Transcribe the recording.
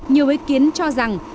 nhiều ý kiến cho rằng